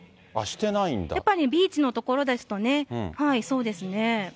やっぱりビーチの所ですとね、そうですね。